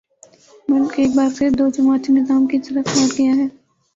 ملک ایک بار پھر دو جماعتی نظام کی طرف لوٹ گیا ہے۔